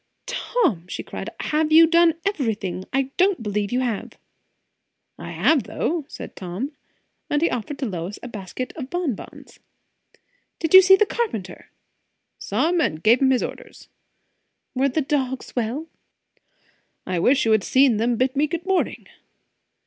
"Tom," she cried, "have you done everything? I don't believe you have." "Have, though," said Tom. And he offered to Lois a basket of bon bons. "Did you see the carpenter?" "Saw him and gave him his orders." "Were the dogs well?" "I wish you had seen them bid me good morning!"